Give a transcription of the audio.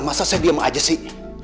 masa saya diem aja sih